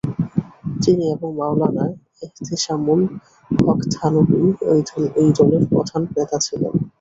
তিনি এবং মাওলানা এহতেশামুল হক থানভী এই দলের প্রধান নেতা ছিলেন।